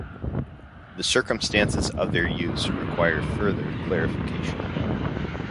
The circumstances of their use require further clarification.